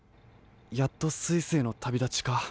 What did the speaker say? やっとスイスへのたびだちか。